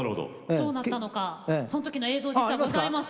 どうなったのかその時の映像実はございます。